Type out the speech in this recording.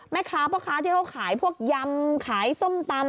แม่ค้าพ่อค้าที่เค้าขายพวกยำขายส้มตำ